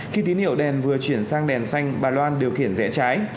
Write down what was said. khi tín hiệu đèn vừa chuyển sang đèn xanh bà loan điều khiển rẽ trái